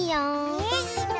えいいの？